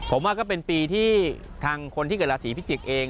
ผมว่าก็เป็นปีที่ทางคนที่เกิดราศีพิจิกษ์เอง